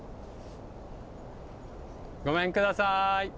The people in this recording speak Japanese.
ごめんください。